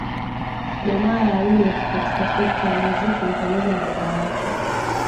Jamaa ya Awilo katika sekta ya muziki ni pamoja na baba yake